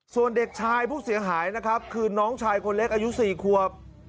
ส่วนเด็กชายผู้เสียหายนะครับคือน้องชายคนเล็กอายุ๔ควบ